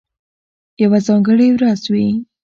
یوه ځانګړې ورځ وي،